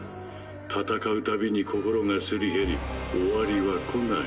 戦う度に心がすり減り終わりは来ない。